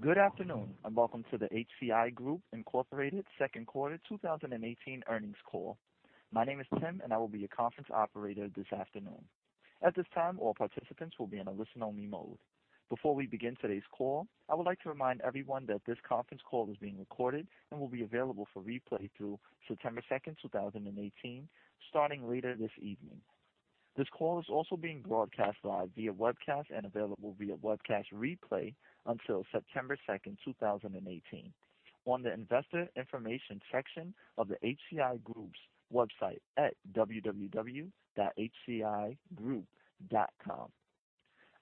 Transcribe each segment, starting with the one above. Good afternoon, and welcome to the HCI Group Incorporated second quarter 2018 earnings call. My name is Tim, and I will be your conference operator this afternoon. At this time, all participants will be in a listen-only mode. Before we begin today's call, I would like to remind everyone that this conference call is being recorded and will be available for replay through September 2nd, 2018, starting later this evening. This call is also being broadcast live via webcast and available via webcast replay until September 2nd, 2018, on the investor information section of the HCI Group's website at www.hcigroup.com.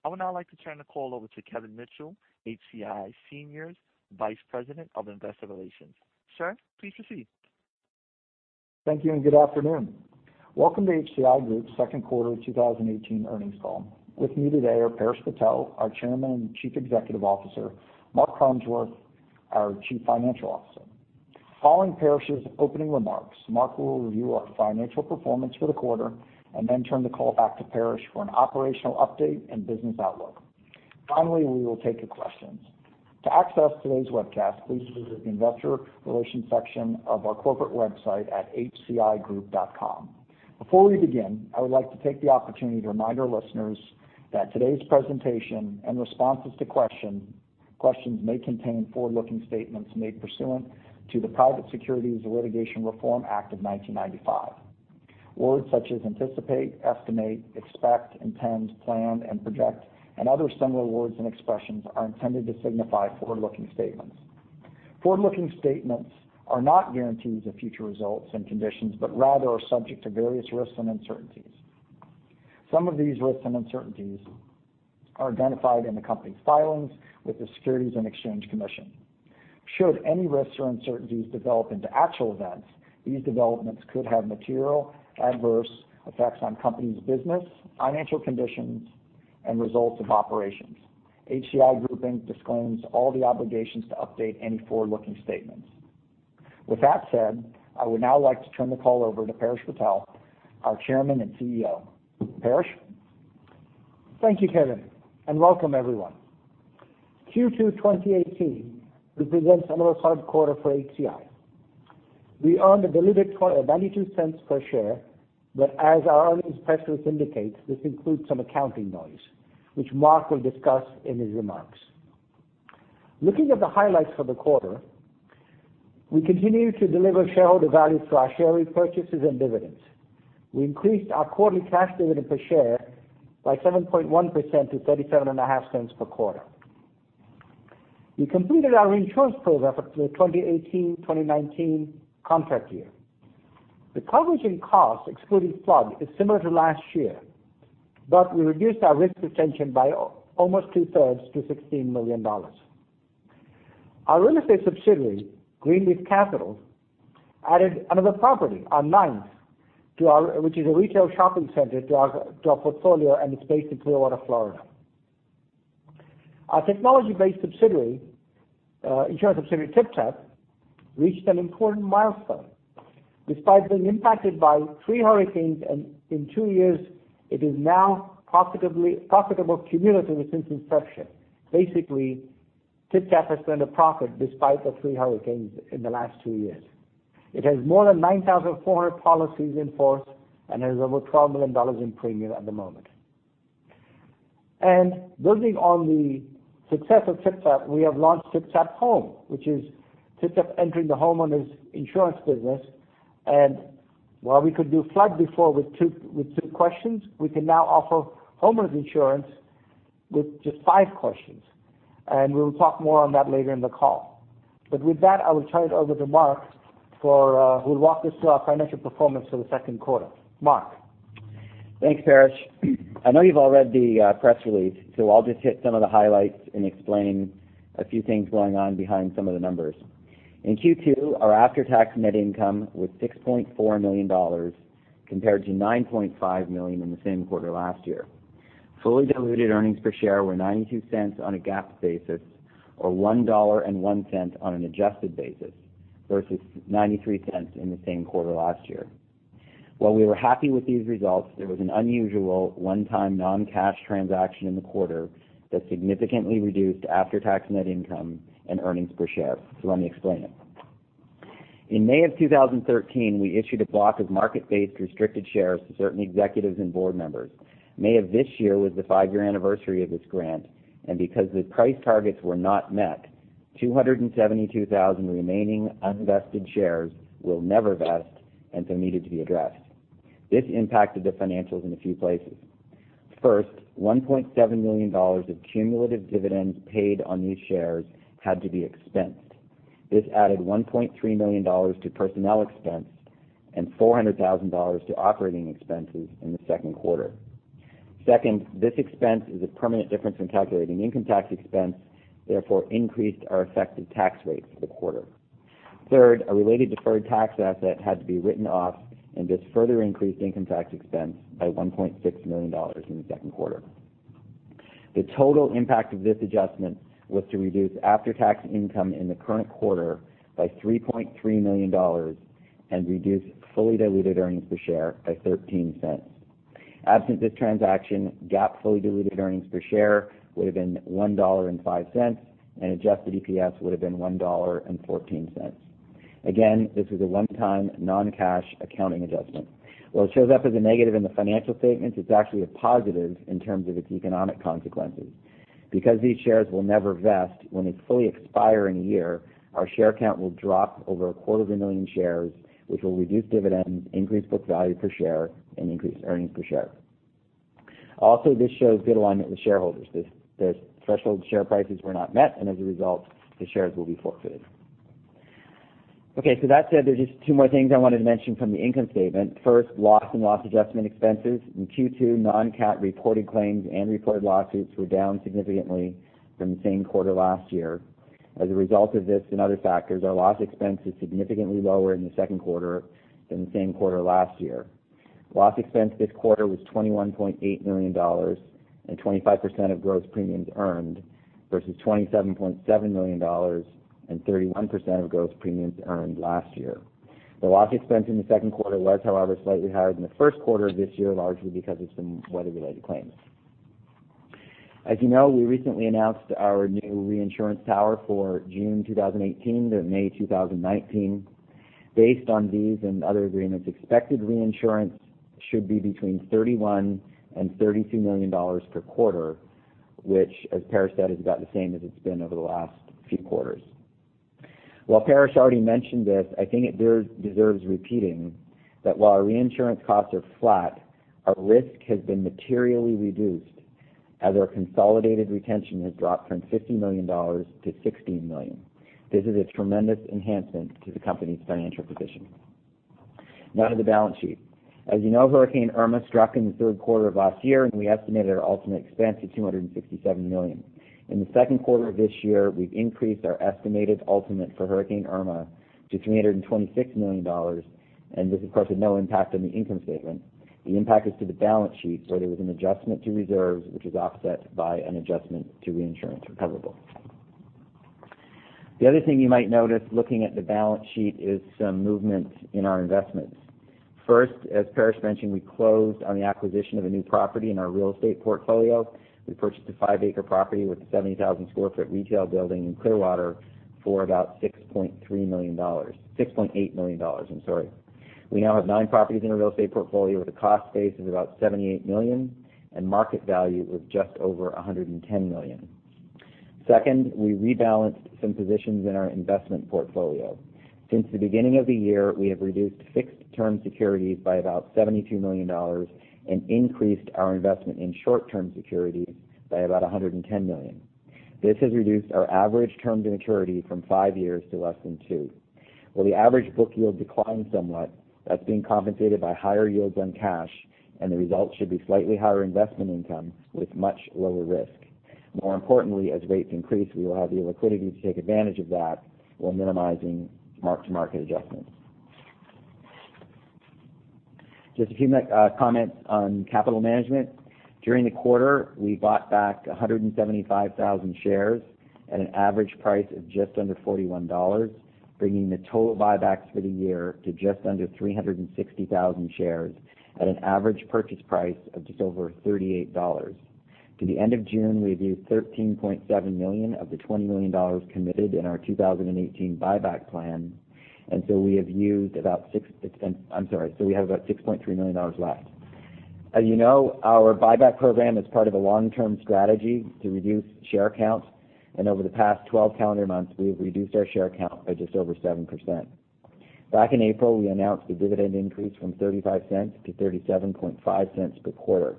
I would now like to turn the call over to Kevin Mitchell, HCI Senior Vice President of Investor Relations. Sir, please proceed. Thank you and good afternoon. Welcome to HCI Group's second quarter 2018 earnings call. With me today are Paresh Patel, our Chairman and Chief Executive Officer, Mark Harmsworth, our Chief Financial Officer. Following Paresh's opening remarks, Mark will review our financial performance for the quarter and then turn the call back to Paresh for an operational update and business outlook. Finally, we will take your questions. To access today's webcast, please visit the investor relations section of our corporate website at hcigroup.com. Before we begin, I would like to take the opportunity to remind our listeners that today's presentation and responses to questions may contain forward-looking statements made pursuant to the Private Securities Litigation Reform Act of 1995. Words such as anticipate, estimate, expect, intend, plan, and project, and other similar words and expressions are intended to signify forward-looking statements. Forward-looking statements are not guarantees of future results and conditions but rather are subject to various risks and uncertainties. Some of these risks and uncertainties are identified in the company's filings with the Securities and Exchange Commission. Should any risks or uncertainties develop into actual events, these developments could have material adverse effects on company's business, financial conditions, and results of operations. HCI Group, Inc. disclaims all the obligations to update any forward-looking statements. With that said, I would now like to turn the call over to Paresh Patel, our Chairman and CEO. Paresh? Thank you, Kevin, and welcome everyone. Q2 2018 represents another hard quarter for HCI. We earned a delivered $0.92 per share, but as our earnings press release indicates, this includes some accounting noise, which Mark will discuss in his remarks. Looking at the highlights for the quarter, we continue to deliver shareholder value through our share repurchases and dividends. We increased our quarterly cash dividend per share by 7.1% to $0.375 per quarter. We completed our insurance program for the 2018-2019 contract year. The coverage in cost, excluding flood, is similar to last year, but we reduced our risk retention by almost two-thirds to $16 million. Our real estate subsidiary, Greenleaf Capital, added another property, our ninth, which is a retail shopping center to our portfolio, and it's based in Clearwater, Florida. Our technology-based subsidiary, insurance subsidiary, TypTap, reached an important milestone. Building on the success of TypTap, we have launched TypTap Home, which is TypTap entering the homeowners' insurance business. While we could do flood before with two questions, we can now offer homeowners' insurance with just five questions. We will talk more on that later in the call. With that, I will turn it over to Mark, who will walk us through our financial performance for the second quarter. Mark? Thanks, Paresh. I know you've all read the press release, so I'll just hit some of the highlights and explain a few things going on behind some of the numbers. In Q2, our after-tax net income was $6.4 million compared to $9.5 million in the same quarter last year. Fully diluted earnings per share were $0.92 on a GAAP basis or $1.01 on an adjusted basis versus $0.93 in the same quarter last year. While we were happy with these results, there was an unusual one-time non-cash transaction in the quarter that significantly reduced after-tax net income and earnings per share. Let me explain it. In May of 2013, we issued a block of market-based restricted shares to certain executives and board members. May of this year was the five-year anniversary of this grant, and because the price targets were not met, 272,000 remaining unvested shares will never vest and so needed to be addressed. This impacted the financials in a few places. First, $1.7 million of cumulative dividends paid on these shares had to be expensed. This added $1.3 million to personnel expense and $400,000 to operating expenses in the second quarter. Second, this expense is a permanent difference in calculating income tax expense, therefore increased our effective tax rate for the quarter. Third, a related deferred tax asset had to be written off, and this further increased income tax expense by $1.6 million in the second quarter. The total impact of this adjustment was to reduce after-tax income in the current quarter by $3.3 million and reduce fully diluted earnings per share by $0.13. Absent this transaction, GAAP fully diluted earnings per share would have been $1.05, and adjusted EPS would have been $1.14. Again, this was a one-time non-cash accounting adjustment. While it shows up as a negative in the financial statements, it's actually a positive in terms of its economic consequences. Because these shares will never vest, when they fully expire in a year, our share count will drop over a quarter of a million shares, which will reduce dividends, increase book value per share, and increase earnings per share. Also, this shows good alignment with shareholders. The threshold share prices were not met, and as a result, the shares will be forfeited. That said, there's just two more things I wanted to mention from the income statement. First, loss and loss adjustment expenses. In Q2, non-CAT reported claims and reported lawsuits were down significantly from the same quarter last year. As a result of this and other factors, our loss expense is significantly lower in the second quarter than the same quarter last year. Loss expense this quarter was $21.8 million and 25% of gross premiums earned, versus $27.7 million and 31% of gross premiums earned last year. The loss expense in the second quarter was, however, slightly higher than the first quarter of this year, largely because of some weather-related claims. As you know, we recently announced our new reinsurance tower for June 2018 to May 2019. Based on these and other agreements, expected reinsurance should be between $31 million and $32 million per quarter, which, as Paresh said, is about the same as it's been over the last few quarters. While Paresh already mentioned this, I think it deserves repeating that while our reinsurance costs are flat, our risk has been materially reduced as our consolidated retention has dropped from $50 million to $16 million. This is a tremendous enhancement to the company's financial position. Now to the balance sheet. As you know, Hurricane Irma struck in the third quarter of last year, and we estimated our ultimate expense at $267 million. In the second quarter of this year, we've increased our estimated ultimate for Hurricane Irma to $326 million, and this, of course, had no impact on the income statement. The impact is to the balance sheet, where there was an adjustment to reserves, which is offset by an adjustment to reinsurance recoverable. The other thing you might notice looking at the balance sheet is some movement in our investments. First, as Paresh mentioned, we closed on the acquisition of a new property in our real estate portfolio. We purchased a five-acre property with a 70,000 sq ft retail building in Clearwater for about $6.3 million. $6.8 million, I'm sorry. We now have nine properties in our real estate portfolio with a cost base of about $78 million and market value of just over $110 million. Second, we rebalanced some positions in our investment portfolio. Since the beginning of the year, we have reduced fixed term securities by about $72 million and increased our investment in short-term securities by about $110 million. This has reduced our average term to maturity from five years to less than two. While the average book yield declined somewhat, that's being compensated by higher yields on cash, and the result should be slightly higher investment income with much lower risk. More importantly, as rates increase, we will have the liquidity to take advantage of that while minimizing mark-to-market adjustments. Just a few comments on capital management. During the quarter, we bought back 175,000 shares at an average price of just under $41, bringing the total buybacks for the year to just under 360,000 shares at an average purchase price of just over $38. To the end of June, we've used $13.7 million of the $20 million committed in our 2018 buyback plan, we have about $6.3 million left. As you know, our buyback program is part of a long-term strategy to reduce share counts, and over the past 12 calendar months, we have reduced our share count by just over 7%. Back in April, we announced a dividend increase from $0.35 to $0.375 per quarter.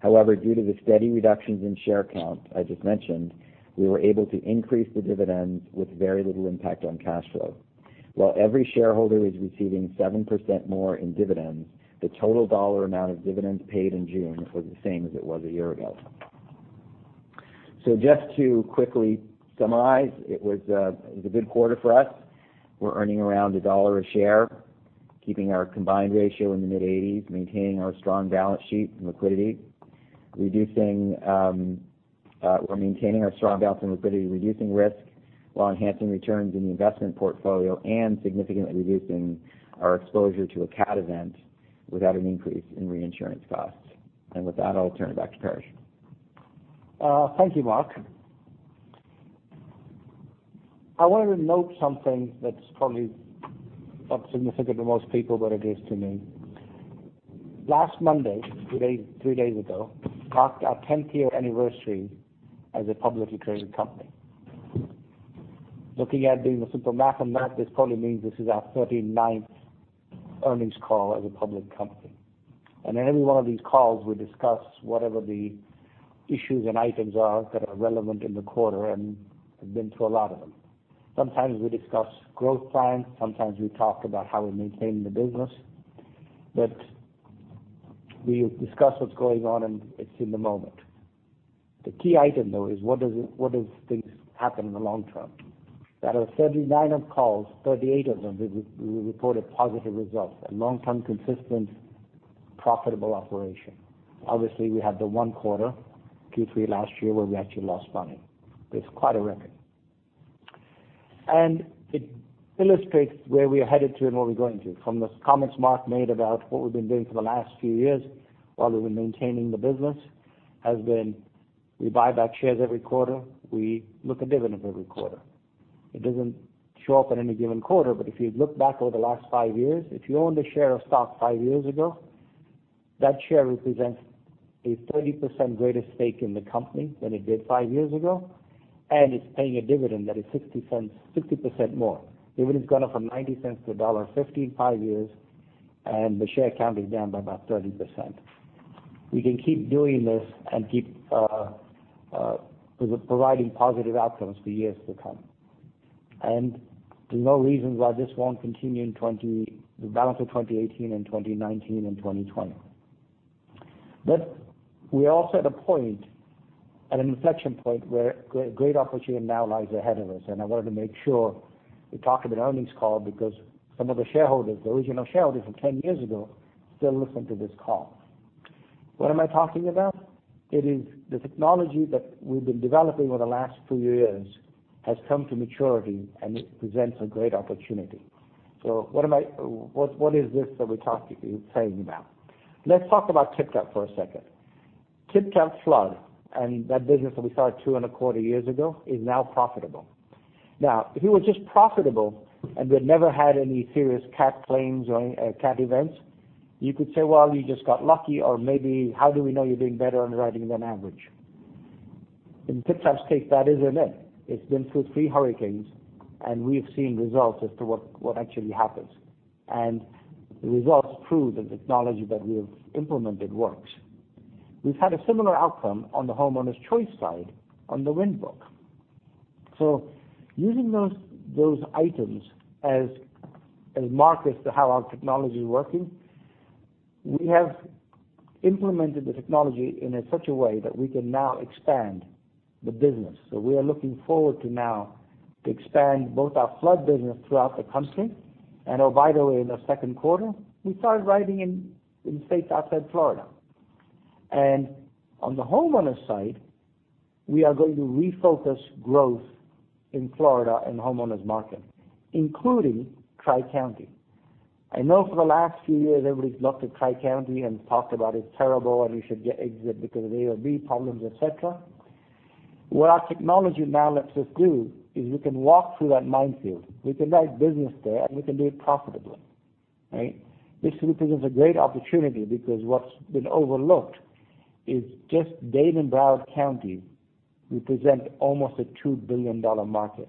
However, due to the steady reductions in share count I just mentioned, we were able to increase the dividends with very little impact on cash flow. While every shareholder is receiving 7% more in dividends, the total dollar amount of dividends paid in June was the same as it was a year ago. Just to quickly summarize, it was a good quarter for us. We're earning around $1 a share, keeping our combined ratio in the mid-80s, maintaining our strong balance sheet and liquidity, reducing risk, while enhancing returns in the investment portfolio and significantly reducing our exposure to a CAT event without an increase in reinsurance costs. With that, I'll turn it back to Paresh. Thank you, Mark. I wanted to note something that's probably not significant to most people, but it is to me. Last Monday, three days ago, marked our 10th year anniversary as a publicly traded company. Looking at doing the simple math on that, this probably means this is our 39th earnings call as a public company. In every one of these calls, we discuss whatever the issues and items are that are relevant in the quarter, and we've been through a lot of them. Sometimes we discuss growth plans, sometimes we talk about how we maintain the business, but we discuss what's going on, and it's in the moment. The key item, though, is what does things happen in the long term? Out of 39 of calls, 38 of them, we reported positive results and long-term consistent profitable operation. Obviously, we had the one quarter, Q3 last year, where we actually lost money. It's quite a record. It illustrates where we are headed to and where we're going to. From the comments Mark made about what we've been doing for the last few years while we've been maintaining the business has been, we buy back shares every quarter, we look at dividend every quarter. It doesn't show up in any given quarter, but if you look back over the last 5 years, if you owned a share of stock 5 years ago, that share represents a 30% greater stake in the company than it did 5 years ago, and it's paying a dividend that is 60% more. Dividend's gone up from $0.90 to $1.50 in 5 years, and the share count is down by about 30%. We can keep doing this and keep providing positive outcomes for years to come. There's no reason why this won't continue in the balance of 2018, 2019, and 2020. We are also at an inflection point where great opportunity now lies ahead of us, and I wanted to make sure we talk at an earnings call because some of the shareholders, the original shareholders from 10 years ago, still listen to this call. What am I talking about? It is the technology that we've been developing over the last few years has come to maturity, and it presents a great opportunity. What is this that we're saying now? Let's talk about TypTap for a second. TypTap flood, and that business that we started two and a quarter years ago, is now profitable. If it were just profitable and we had never had any serious CAT claims or CAT events, you could say, "Well, you just got lucky," or maybe, "How do we know you're doing better underwriting than average?" In TypTap's case, that isn't it. It's been through three hurricanes, and we have seen results as to what actually happens. The results prove the technology that we have implemented works. We've had a similar outcome on the Homeowners Choice side on the wind book. Using those items as markers to how our technology is working, we have implemented the technology in such a way that we can now expand the business. We are looking forward to now to expand both our flood business throughout the country and oh, by the way, in the second quarter, we started writing in states outside Florida. On the Homeowners side, we are going to refocus growth in Florida and homeowners market, including Tri-County. I know for the last few years, everybody's looked at Tri-County and talked about it's terrible, and we should exit because of A or B problems, et cetera. What our technology now lets us do is we can walk through that minefield. We can write business there, and we can do it profitably. Right? This represents a great opportunity because what's been overlooked is just Dade and Broward County represent almost a $2 billion market.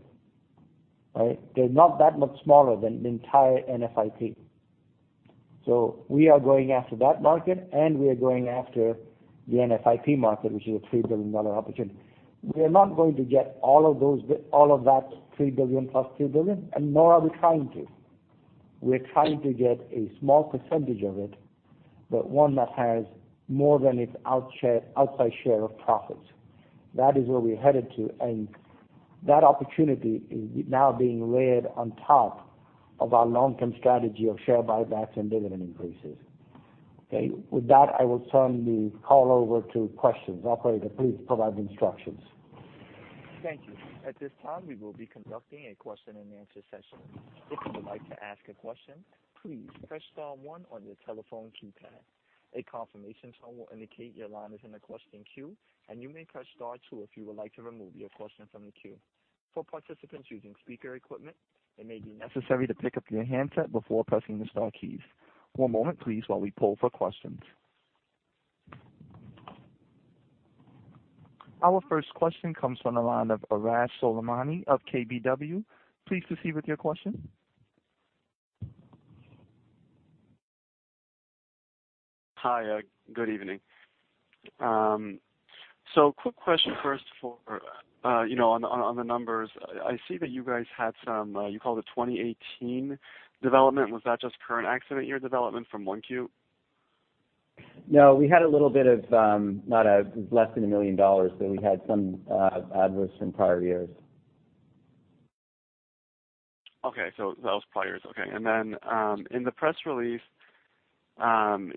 Right? They're not that much smaller than the entire NFIP. We are going after that market, and we are going after the NFIP market, which is a $3 billion opportunity. We are not going to get all of that $3 billion plus $3 billion, nor are we trying to. We're trying to get a small percentage of it, but one that has more than its outside share of profits. That is where we're headed to, and that opportunity is now being layered on top of our long-term strategy of share buybacks and dividend increases. Okay, with that, I will turn the call over to questions. Operator, please provide instructions. Thank you. At this time, we will be conducting a question-and-answer session. If you would like to ask a question, please press star one on your telephone keypad. A confirmation tone will indicate your line is in the question queue, and you may press star two if you would like to remove your question from the queue. For participants using speaker equipment, it may be necessary to pick up your handset before pressing the star keys. One moment, please, while we poll for questions. Our first question comes from the line of Arash Soleimani of KBW. Please proceed with your question. Hi. Good evening. Quick question first on the numbers. I see that you guys had some, you call it 2018 development. Was that just current accident year development from 1Q? We had a little bit of, less than $1 million, but we had some adverse from prior years. That was prior years. In the press release,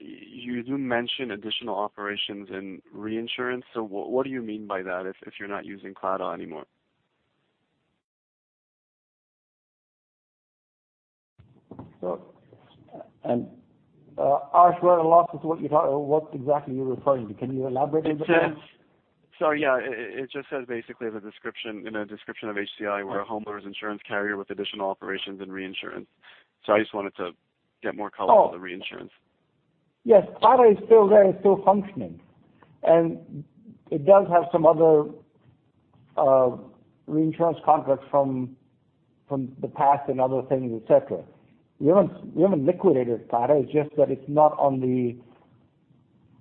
you do mention additional operations in reinsurance. What do you mean by that if you're not using Claddaugh anymore? Arash, I lost what exactly you're referring to. Can you elaborate a bit? Yeah. It just says basically in the description of HCI, we're a homeowners insurance carrier with additional operations in reinsurance. I just wanted to get more color on the reinsurance. Yes. Claddaugh is still there and still functioning. It does have some other reinsurance contracts from the past and other things, et cetera. We haven't liquidated Claddaugh, it's just that it's not on the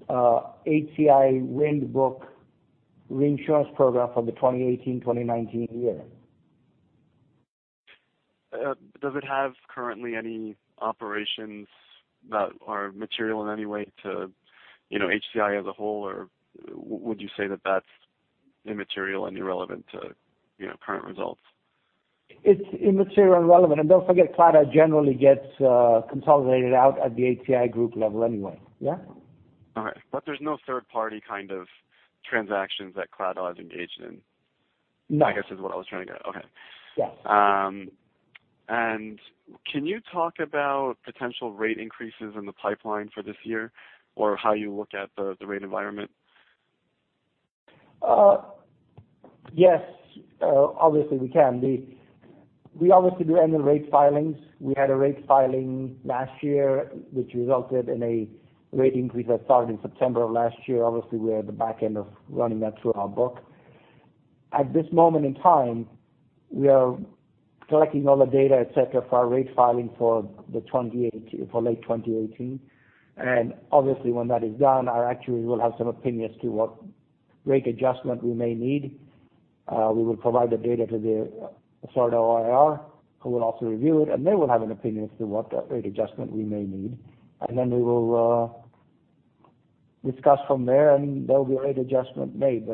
HCI wind book reinsurance program for the 2018-2019 year. Does it have currently any operations that are material in any way to HCI as a whole? Would you say that that's immaterial and irrelevant to current results? It's immaterial and irrelevant. Don't forget, Claddaugh generally gets consolidated out at the HCI Group level anyway. Yeah? All right. There is no third party kind of transactions that Claddaugh engaged in? No. I guess is what I was trying to get at. Okay. Yes. Can you talk about potential rate increases in the pipeline for this year, or how you look at the rate environment? Yes. Obviously, we can. We obviously do annual rate filings. We had a rate filing last year, which resulted in a rate increase that started in September of last year. Obviously, we are at the back end of running that through our book. At this moment in time, we are collecting all the data, et cetera, for our rate filing for late 2018. Obviously, when that is done, our actuaries will have some opinion as to what rate adjustment we may need. We will provide the data to the Florida OIR, who will also review it, and they will have an opinion as to what rate adjustment we may need. Then there will be a rate adjustment made.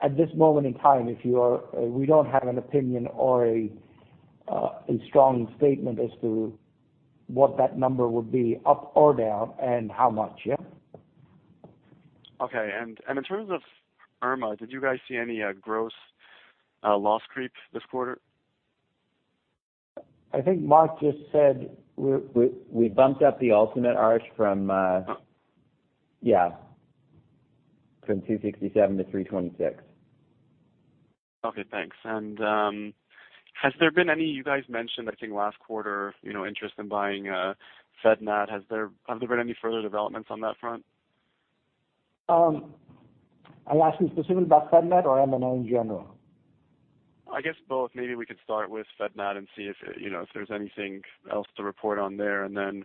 At this moment in time, we don't have an opinion or a strong statement as to what that number would be up or down and how much, yeah? Okay. In terms of Irma, did you guys see any gross loss creep this quarter? I think Mark just said we bumped up the ultimate loss from $267 to $326. Okay, thanks. Has there been any, you guys mentioned, I think last quarter, interest in buying FedNat. Have there been any further developments on that front? Are you asking specifically about FedNat or M&A in general? I guess both. Maybe we could start with FedNat and see if there's anything else to report on there, and then,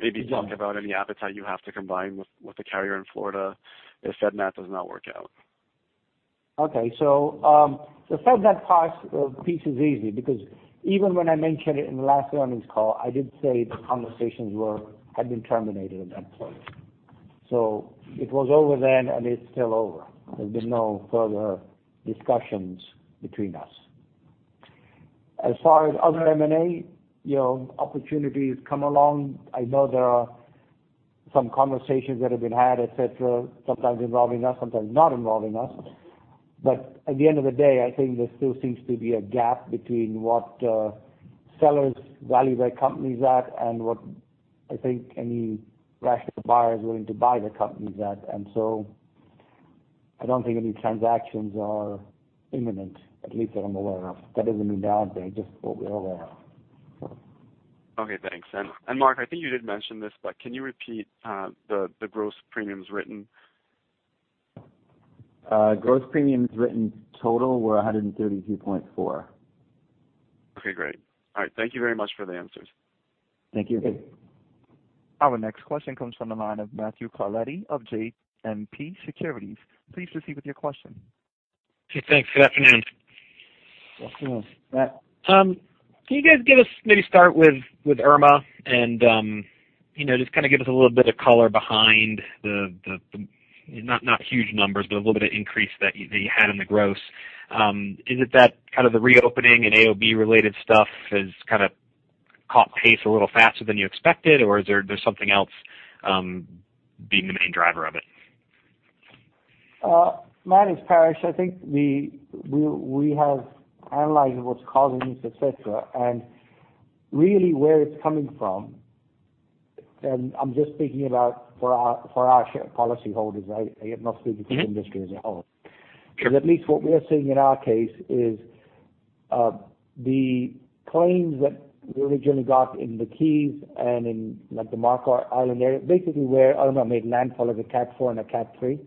maybe talk about any appetite you have to combine with a carrier in Florida if FedNat does not work out. Okay. The FedNat piece is easy because even when I mentioned it in the last earnings call, I did say the conversations had been terminated at that point. It was over then and it's still over. There's been no further discussions between us. As far as other M&A, opportunities come along. I know there are some conversations that have been had, et cetera, sometimes involving us, sometimes not involving us. At the end of the day, I think there still seems to be a gap between what sellers value their companies at and what I think any rational buyer is willing to buy their companies at. I don't think any transactions are imminent, at least that I'm aware of. That doesn't mean they aren't, they're just what we're aware of. Okay, thanks. Mark, I think you did mention this, but can you repeat the gross premiums written? Gross premiums written total were $132.4. Okay, great. All right. Thank you very much for the answers. Thank you. Thank you. Our next question comes from the line of Matthew Carletti of JMP Securities. Please proceed with your question. Okay, thanks. Good afternoon. Good afternoon. Matt. Can you guys give us, maybe start with Irma and just kind of give us a little bit of color behind the, not huge numbers, but a little bit of increase that you had in the gross. Is it that kind of the reopening and AOB related stuff has kind of caught pace a little faster than you expected, or is there something else being the main driver of it? Matt, it's Paresh. I think we have analyzed what's causing this, et cetera, really where it's coming from. I'm just speaking about for our policyholders. I get mostly the industry as a whole. Sure. At least what we are seeing in our case is, the claims that we originally got in the Keys and in like the Marco Island area, basically where Irma made landfall as a Cat 4 and a Cat 3.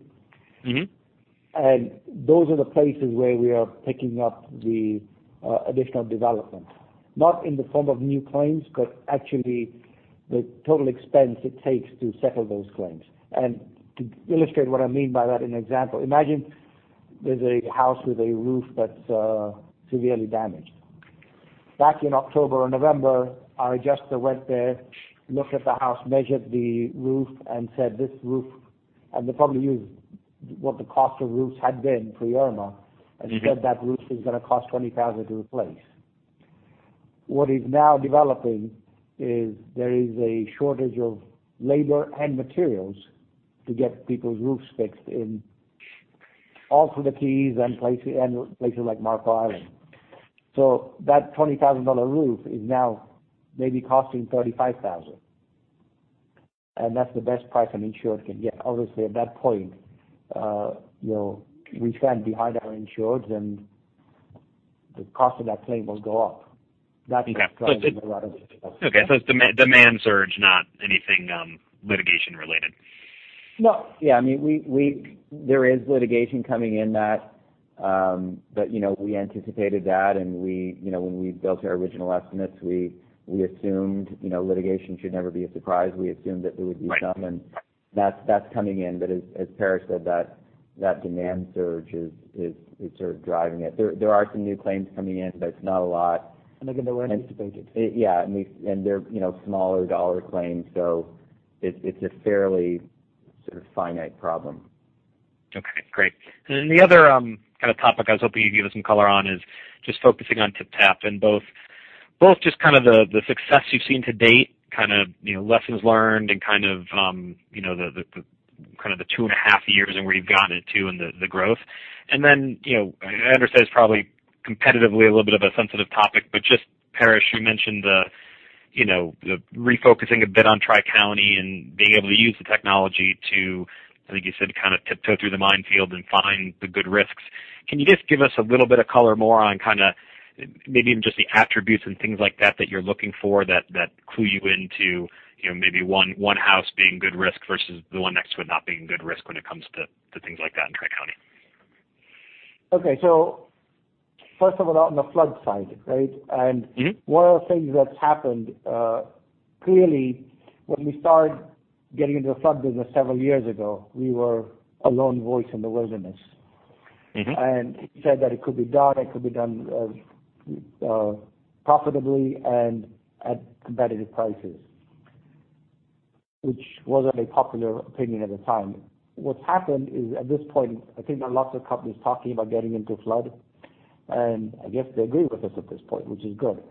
Those are the places where we are picking up the additional development. Not in the form of new claims, but actually the total expense it takes to settle those claims. To illustrate what I mean by that, an example. Imagine there's a house with a roof that's severely damaged. Back in October or November, our adjuster went there, looked at the house, measured the roof and said, "This roof," and they probably used what the cost of roofs had been pre-Irma, and said that roof is going to cost $20,000 to replace. What is now developing is there is a shortage of labor and materials to get people's roofs fixed in all through the Keys and places like Marco Island. That $20,000 roof is now maybe costing $35,000. That's the best price an insurer can get. Obviously, at that point, we stand behind our insureds and the cost of that claim will go up. That's what's driving a lot of it. Okay. It's demand surge, not anything litigation related. No. There is litigation coming in that, we anticipated that when we built our original estimates, we assumed litigation should never be a surprise. We assumed that there would be some, that's coming in. As Paresh said, that demand surge is sort of driving it. There are some new claims coming in, it's not a lot. Again, they weren't anticipated. They're smaller dollar claims. Finite problem. Okay, great. The other kind of topic I was hoping you'd give us some color on is just focusing on TypTap and both just kind of the success you've seen to date, kind of, lessons learned and kind of, the two and a half years and where you've gotten it to and the growth. I understand it's probably competitively a little bit of a sensitive topic, but just Paresh, you mentioned the refocusing a bit on Tri-County and being able to use the technology to, I think you said, kind of tiptoe through the minefield and find the good risks. Can you just give us a little bit of color more on maybe even just the attributes and things like that you're looking for that clue you into maybe one house being good risk versus the one next to it not being good risk when it comes to things like that in Tri-County? Okay. First of all, on the flood side, right? One of the things that's happened, clearly when we started getting into the flood business several years ago, we were a lone voice in the wilderness. Said that it could be done, it could be done profitably and at competitive prices, which wasn't a popular opinion at the time. What's happened is, at this point, I think there are lots of companies talking about getting into flood, I guess they agree with us at this point, which is good.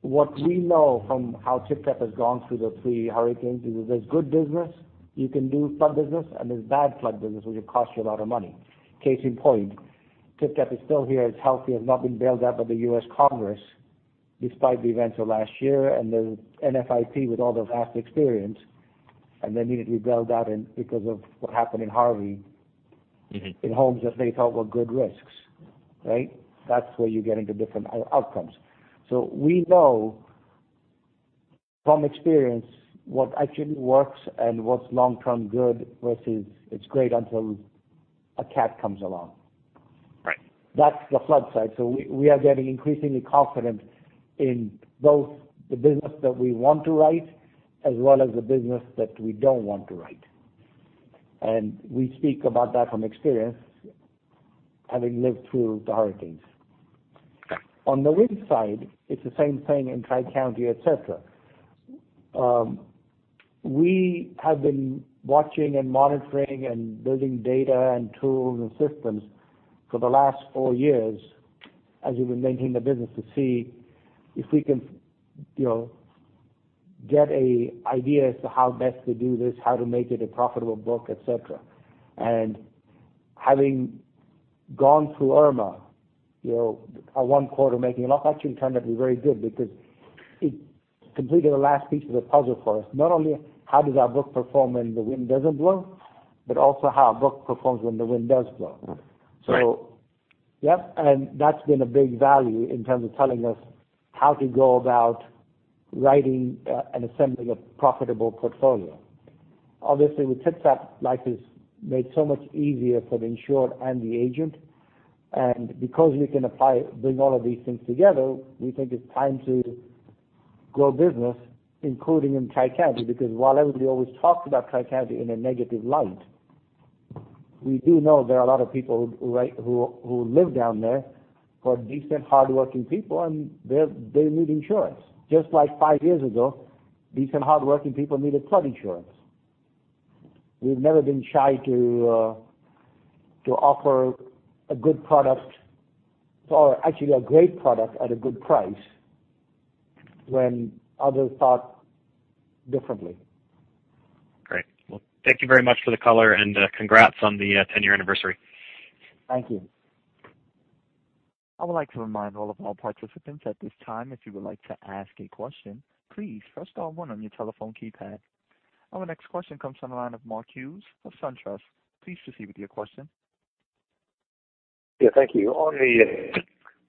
What we know from how TypTap has gone through the three hurricanes is there's good business. You can do flood business, and there's bad flood business, which will cost you a lot of money. Case in point, TypTap is still here, is healthy, has not been bailed out by the U.S. Congress despite the events of last year and the NFIP with all their vast experience, and they needed to be bailed out because of what happened in Harvey. In homes that they thought were good risks, right? That's where you get into different outcomes. We know from experience what actually works and what's long-term good versus it's great until a CAT comes along. Right. That's the flood side. We are getting increasingly confident in both the business that we want to write as well as the business that we don't want to write. We speak about that from experience, having lived through the hurricanes. On the wind side, it's the same thing in Tri-County, et cetera. We have been watching and monitoring and building data and tools and systems for the last four years as we've been making the business to see if we can get a idea as to how best to do this, how to make it a profitable book, et cetera. And having gone through Irma, our one quarter making, and that actually turned out to be very good because it completed the last piece of the puzzle for us. Not only how does our book perform when the wind doesn't blow, but also how our book performs when the wind does blow. Right. Yep. That's been a big value in terms of telling us how to go about writing and assembling a profitable portfolio. Obviously, with TypTap, life is made so much easier for the insured and the agent. Because we can apply, bring all of these things together, we think it's time to grow business, including in Tri-County. Because while everybody always talks about Tri-County in a negative light, we do know there are a lot of people who live down there who are decent, hardworking people, and they need insurance. Just like five years ago, decent, hardworking people needed flood insurance. We've never been shy to offer a good product or actually a great product at a good price when others thought differently. Great. Well, thank you very much for the color and congrats on the 10-year anniversary. Thank you. I would like to remind all of our participants at this time if you would like to ask a question, please press star one on your telephone keypad. Our next question comes on the line of Mark Hughes of SunTrust. Please proceed with your question. Yeah, thank you. On the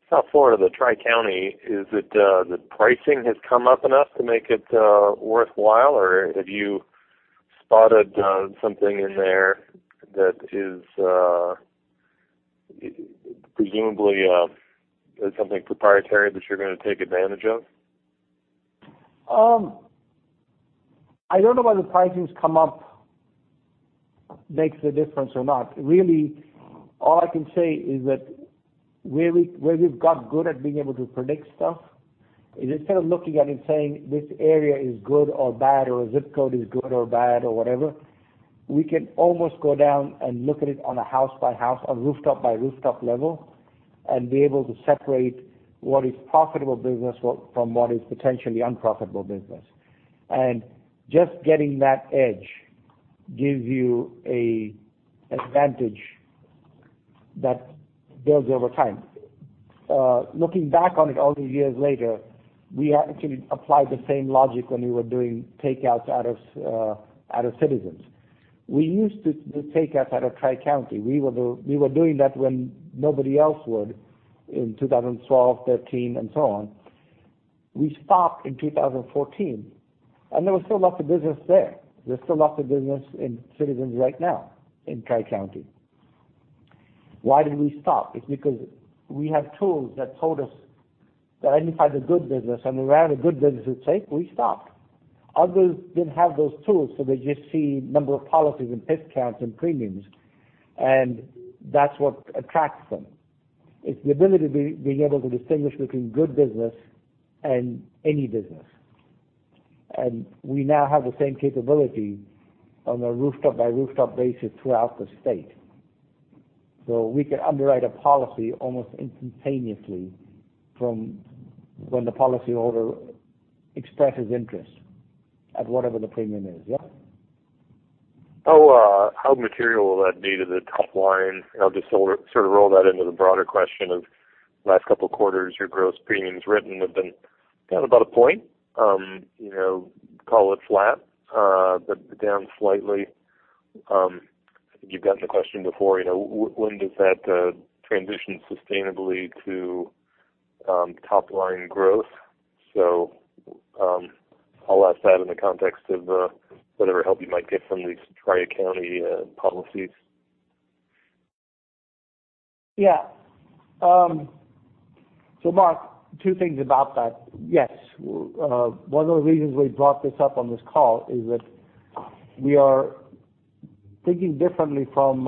South Florida, the Tri-County, is it the pricing has come up enough to make it worthwhile? Have you spotted something in there that is presumably something proprietary that you're gonna take advantage of? I don't know whether pricing's come up makes a difference or not. Really, all I can say is that where we've got good at being able to predict stuff is instead of looking at it and saying, "This area is good or bad," or, "Zip code is good or bad," or whatever, we can almost go down and look at it on a house-by-house, on rooftop-by-rooftop level and be able to separate what is profitable business from what is potentially unprofitable business. Just getting that edge gives you a advantage that builds over time. Looking back on it all these years later, we actually applied the same logic when we were doing takeouts out of Citizens. We used to do takeouts out of Tri-County. We were doing that when nobody else would in 2012, 2013, and so on. We stopped in 2014, and there was still lots of business there. There's still lots of business in Citizens right now in Tri-County. Why did we stop? It's because we have tools that told us, that identified the good business, and when we ran out of good business to take, we stopped. Others didn't have those tools, they just see number of policies and pitch counts and premiums, and that's what attracts them. It's the ability to be able to distinguish between good business and any business. We now have the same capability on a rooftop-by-rooftop basis throughout the state. We can underwrite a policy almost instantaneously from when the policyholder expresses interest at whatever the premium is. Yeah? How material will that be to the top line? I'll just sort of roll that into the broader question of last couple of quarters, your gross premiums written have been down about a point. Call it flat, but down slightly. I think you've gotten the question before. When does that transition sustainably to top-line growth? I'll ask that in the context of whatever help you might get from these Tri-County policies. Mark, two things about that. Yes, one of the reasons we brought this up on this call is that we are thinking differently from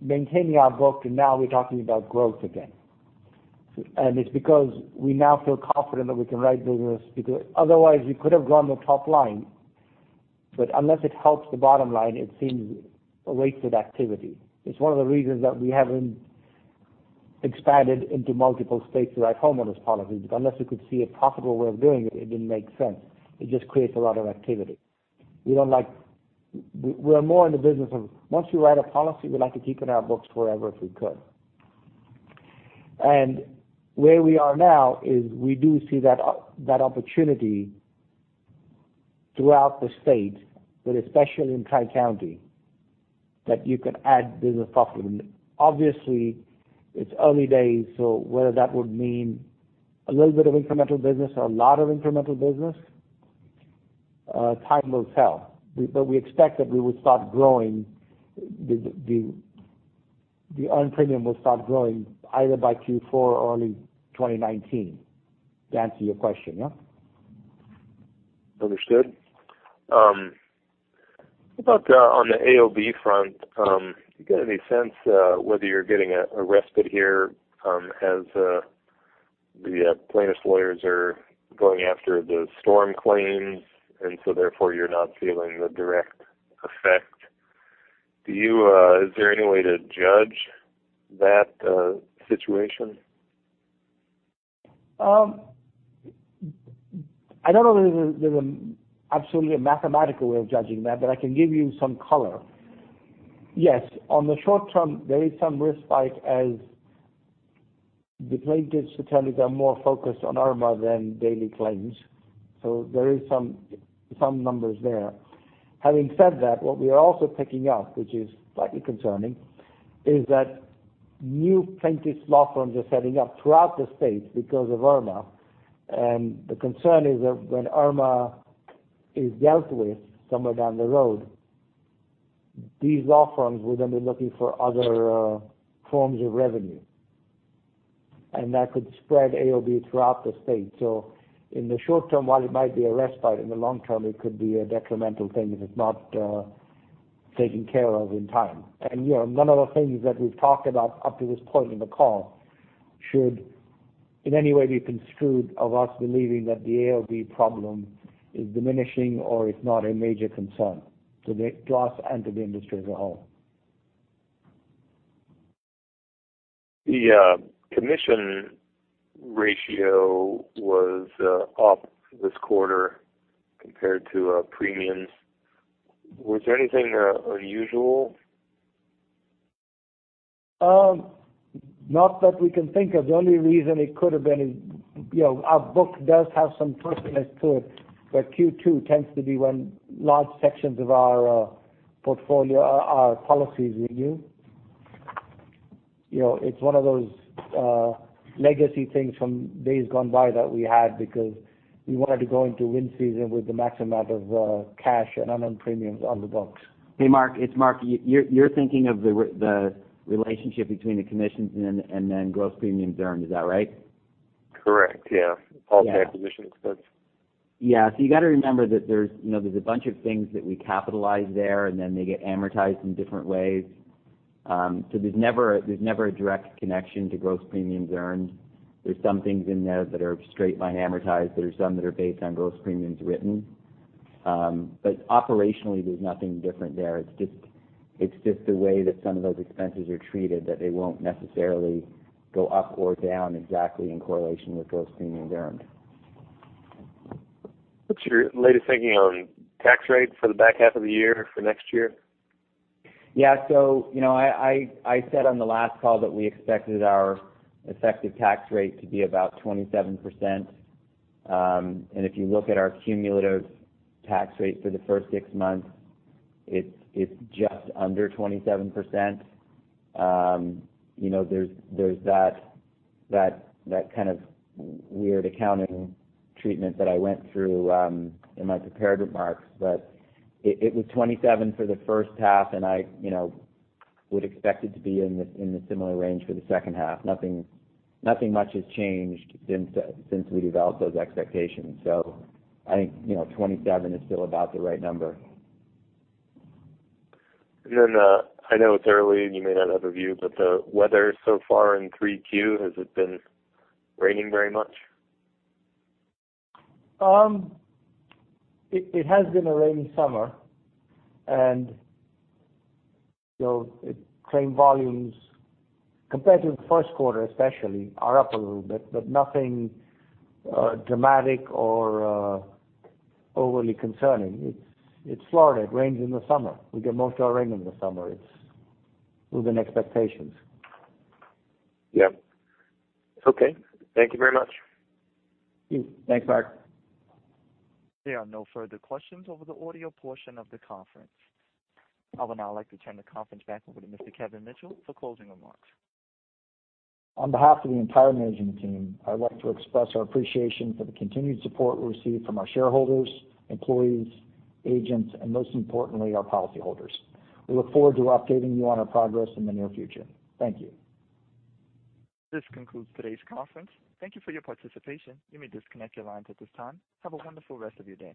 maintaining our book to now we're talking about growth again. It's because we now feel confident that we can write business because otherwise we could have gone the top line, but unless it helps the bottom line, it seems a wasted activity. It's one of the reasons that we haven't expanded into multiple states to write homeowners policies, because unless we could see a profitable way of doing it didn't make sense. It just creates a lot of activity. We're more in the business of once we write a policy, we like to keep it in our books forever if we could. Where we are now is we do see that opportunity throughout the state, but especially in Tri-County, that you can add business profitably. Obviously, it's early days, whether that would mean a little bit of incremental business or a lot of incremental business, time will tell. We expect that the earned premium will start growing either by Q4 or early 2019. To answer your question. Understood. What about on the AOB front? You get any sense whether you're getting a respite here as the plaintiff's lawyers are going after the storm claims, therefore you're not feeling the direct effect. Is there any way to judge that situation? I don't know that there's an absolutely mathematical way of judging that, but I can give you some color. Yes, on the short term, there is some risk spike as the plaintiffs' attorneys are more focused on Hurricane Irma than daily claims. There is some numbers there. Having said that, what we are also picking up, which is slightly concerning, is that new plaintiffs' law firms are setting up throughout the state because of Hurricane Irma. The concern is that when Hurricane Irma is dealt with somewhere down the road, these law firms will then be looking for other forms of revenue. That could spread AOB throughout the state. In the short term, while it might be a respite, in the long term, it could be a detrimental thing if it's not taken care of in time. None of the things that we've talked about up to this point in the call should in any way be construed of us believing that the AOB problem is diminishing or is not a major concern to us and to the industry as a whole. The combined ratio was up this quarter compared to premiums. Was there anything unusual? Not that we can think of. The only reason it could have been, our book does have some seasonality to it, but Q2 tends to be when large sections of our portfolio, our policies renew. It's one of those legacy things from days gone by that we had because we wanted to go into wind season with the maximum amount of cash and unknown premiums on the books. Hey, Mark, it's Mark. You're thinking of the relationship between the commissions and gross premiums earned. Is that right? Correct. Yeah. All the acquisition expense. Yeah. You got to remember that there's a bunch of things that we capitalize there, and they get amortized in different ways. There's never a direct connection to gross premiums earned. There's some things in there that are straight-line amortized. There are some that are based on gross premiums written. Operationally, there's nothing different there. It's just the way that some of those expenses are treated that they won't necessarily go up or down exactly in correlation with gross premiums earned. What's your latest thinking on tax rates for the back half of the year for next year? Yeah. I said on the last call that we expected our effective tax rate to be about 27%. If you look at our cumulative tax rate for the first six months, it's just under 27%. There's that kind of weird accounting treatment that I went through in my prepared remarks. It was 27 for the first half, and I would expect it to be in the similar range for the second half. Nothing much has changed since we developed those expectations. I think 27 is still about the right number. I know it's early and you may not have a view, the weather so far in Q3, has it been raining very much? It has been a rainy summer. Claim volumes compared to the first quarter especially are up a little bit, nothing dramatic or overly concerning. It's Florida. It rains in the summer. We get most of our rain in the summer. It's within expectations. Yeah. Okay. Thank you very much. Thanks, Mark. There are no further questions over the audio portion of the conference. I would now like to turn the conference back over to Mr. Kevin Mitchell for closing remarks. On behalf of the entire management team, I'd like to express our appreciation for the continued support we receive from our shareholders, employees, agents, and most importantly, our policyholders. We look forward to updating you on our progress in the near future. Thank you. This concludes today's conference. Thank you for your participation. You may disconnect your lines at this time. Have a wonderful rest of your day.